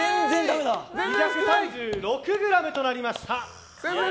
２３６ｇとなりました。